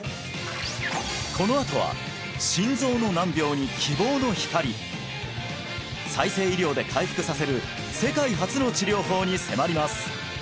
このあとは心臓の難病に希望の光再生医療で回復させる世界初の治療法に迫ります！